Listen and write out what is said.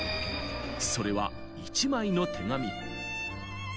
それは１枚の手紙。